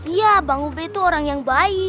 iya bang ube itu orang yang baik